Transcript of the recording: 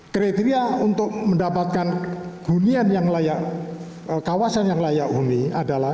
kriteria untuk mendapatkan hunian yang layak kawasan yang layak huni adalah